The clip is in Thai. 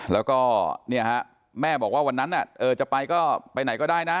แล้วก็แม่บอกว่าวันนั้นจะไปก็ไปไหนก็ได้นะ